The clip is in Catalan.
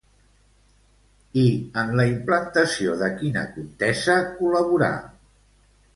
I en la implantació de quina contesa col·laborà?